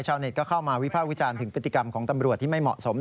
ชาวเน็ตก็เข้ามาวิภาควิจารณ์ถึงพฤติกรรมของตำรวจที่ไม่เหมาะสม